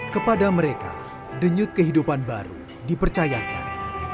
kepada mereka denyut kehidupan baru dipercayakan